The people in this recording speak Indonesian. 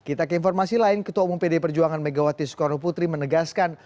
kita ke informasi lain ketua umum pd perjuangan megawati soekarno putri menegaskan